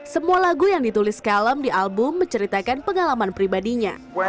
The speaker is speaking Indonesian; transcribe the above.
semua lagu yang ditulis kalem di album menceritakan pengalaman pribadinya